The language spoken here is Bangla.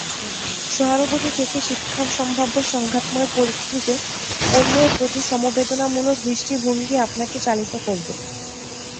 সহানুভূতি থেকে শিক্ষাসম্ভাব্য সংঘাতময় পরিস্থিতিতে অন্যের প্রতি সমবেদনামূলক দৃষ্টিভঙ্গিই আপনাকে চালিত করবে।